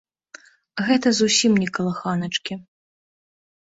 Гэта зусім не калыханачкі.